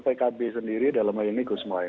pkb sendiri dalam hal ini